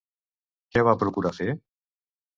Què va procurar fer?